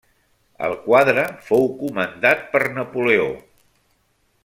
El quadre fou comandat per Napoleó.